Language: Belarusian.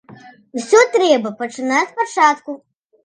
Усё трэба пачынаць спачатку.